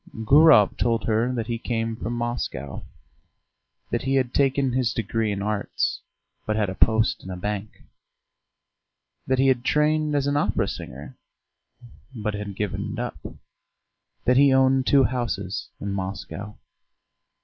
Gurov told her that he came from Moscow, that he had taken his degree in Arts, but had a post in a bank; that he had trained as an opera singer, but had given it up, that he owned two houses in Moscow....